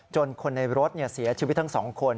คนในรถเสียชีวิตทั้ง๒คน